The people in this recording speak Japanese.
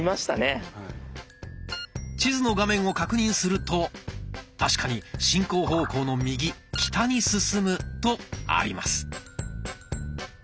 地図の画面を確認すると確かに進行方向の右「北に進む」とあります。